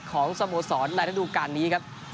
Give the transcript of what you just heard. ของสโมสรในธุดูการนี้ครับ